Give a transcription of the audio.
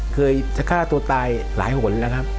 เคยจะฆ่าตัวตายหลายหนแล้วครับ